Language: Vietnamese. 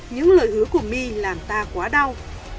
những lời hứa của my làm ta quá đau